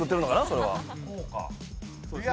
それは。